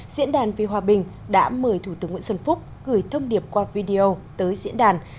diễn đàn vì hòa bình đã mời thủ tướng nguyễn xuân phúc gửi thông điệp qua video tới diễn đàn